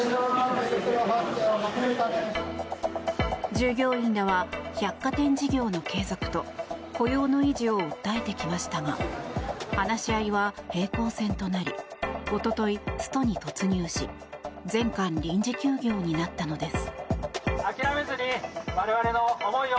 従業員らは百貨店事業の継続と雇用の維持を訴えてきましたが話し合いは平行線となり一昨日、ストに突入し全館臨時休業になったのです。